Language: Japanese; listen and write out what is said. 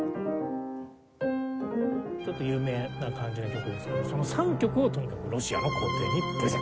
ちょっと有名な感じの曲ですけどその３曲をとにかくロシアの皇帝にプレゼント。